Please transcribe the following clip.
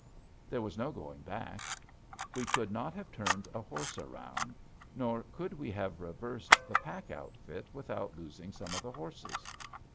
There was no going back. We could not have turned a horse around, nor could we have reversed the pack outfit without losing some of the horses.